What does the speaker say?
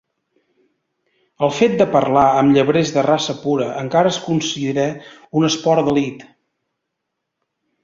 El fet de parlar amb llebrers de raça pura encara es considera un esport "d'elit".